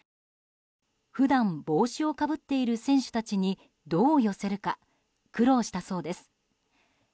普段、帽子をかぶっている選手たちに、どう寄せるか苦労したそうです。